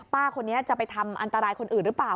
ป้าคนนี้จะไปทำอันตรายคนอื่นหรือเปล่า